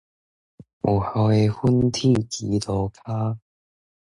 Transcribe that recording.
有孝的分鐵枝路跤